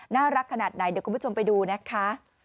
น่ารักขนาดไหนเดี๋ยวคุณผู้ชมไปดูนะคะ